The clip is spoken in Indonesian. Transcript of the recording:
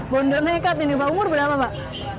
bondo nekat ini pak umur berapa pak